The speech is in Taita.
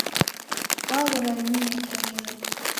Waghora nimneke ngelo.